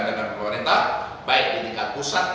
dengan pemerintah baik di tingkat pusat